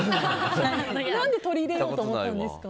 何で取り入れようと思ったんですか？